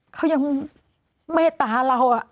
เขายังเมตตาเรา